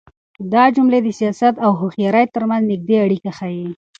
دا جملې د سياست او هوښيارۍ تر منځ نږدې اړيکه ښيي.